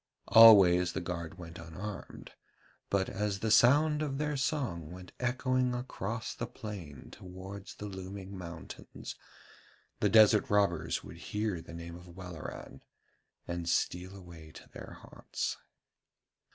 Always the guard went unarmed, but as the sound of their song went echoing across the plain towards the looming mountains, the desert robbers would hear the name of Welleran and steal away to their haunts.